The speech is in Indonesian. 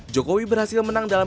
jokowi berhasil menang dalam